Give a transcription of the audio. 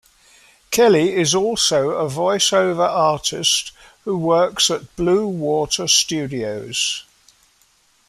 Kelly is also a voice-over artist who works at Blue Water Studios.